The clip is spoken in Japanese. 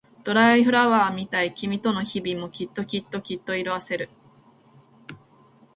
ドライフラワーみたい君との日々もきっときっときっと色あせる